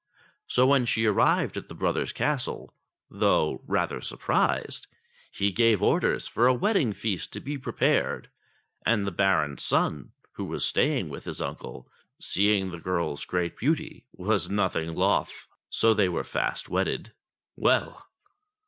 So when she arrived at the brother's castle, though rather 328 ENGLISH FAIRY TALES surprised, he gave orders for a wedding feast to be prepared. And the Baron's son, who was staying with his uncle, seeing the girl's great beauty, was nothing loth, so they were fast wedded. Well